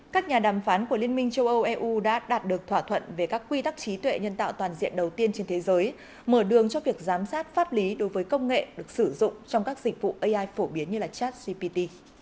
các nhà đàm phán của liên minh châu âu eu đã đạt được thỏa thuận về các quy tắc trí tuệ nhân tạo toàn diện đầu tiên trên thế giới mở đường cho việc giám sát pháp lý đối với công nghệ được sử dụng trong các dịch vụ ai phổ biến như chat gpt